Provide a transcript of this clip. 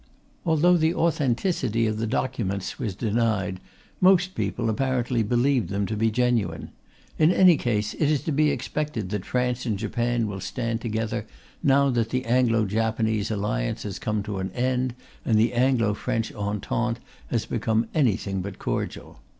Although the authenticity of the documents was denied, most people, apparently, believed them to be genuine. In any case, it is to be expected that France and Japan will stand together, now that the Anglo Japanese Alliance has come to an end and the Anglo French Entente has become anything but cordial.